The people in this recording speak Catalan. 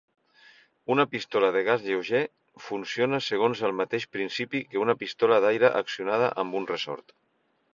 Una pistola de gas lleuger funciona segons el mateix principi que una pistola d'aire accionada amb un ressort.